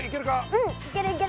うんいけるいける。